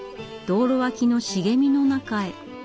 道路脇の茂みの中へ。